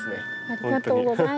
ありがとうございます。